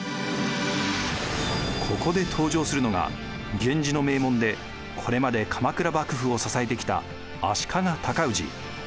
ここで登場するのが源氏の名門でこれまで鎌倉幕府を支えてきた足利高氏。